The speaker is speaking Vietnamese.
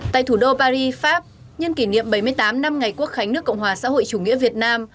tại thủ đô paris pháp nhân kỷ niệm bảy mươi tám năm ngày quốc khánh nước cộng hòa xã hội chủ nghĩa việt nam